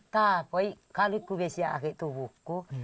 tapi kalau aku bisa aku tuh buku